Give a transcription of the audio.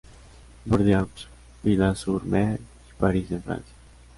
Bordeaux, Pyla-sur-Mer y Paris en Francia.